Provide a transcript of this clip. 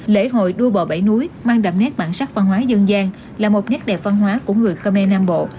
lễ hội đua bò bảy núi mang đầm nét bản sắc văn hóa dân giang là một nhát đẹp văn hóa của người khmer nam bộ